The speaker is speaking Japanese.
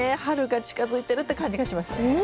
春が近づいてるって感じがしますね。